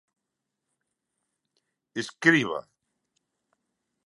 Escriba: